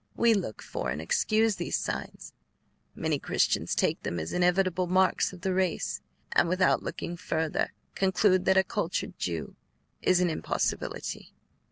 We look for and excuse these signs; many Christians take them as the inevitable marks of the race, and without looking further, conclude that a cultured Jew is an impossibility."